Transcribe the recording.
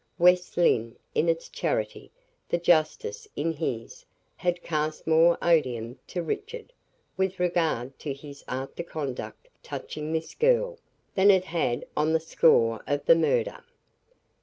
West Lynne, in its charity, the justice in his, had cast more odium to Richard, with regard to his after conduct touching this girl, than it had on the score of the murder.